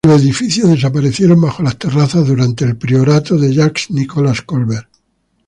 Los edificios desaparecieron bajo de las terrazas durante priorato de Jacques Nicolas Colbert.